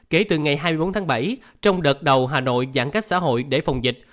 kể từ ngày hai mươi bốn tháng bảy trong đợt đầu hà nội giãn cách xã hội để phòng dịch